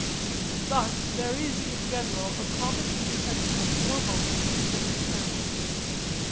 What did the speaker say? Thus there is in general a common intersection of four moments of different families.